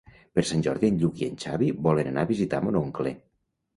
Per Sant Jordi en Lluc i en Xavi volen anar a visitar mon oncle.